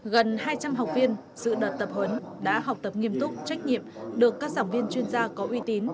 gần hai trăm linh học viên dự đợt tập huấn đã học tập nghiêm túc trách nhiệm được các giảng viên chuyên gia có uy tín